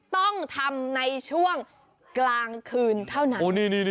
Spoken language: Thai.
ต้องทำในช่วงกลางคืนเท่านั้น